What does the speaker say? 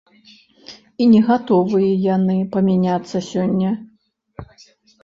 І не гатовыя яны памяняцца сёння.